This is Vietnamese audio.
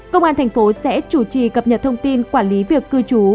công an thành phố sẽ chủ trì cập nhật thông tin quản lý việc cư trú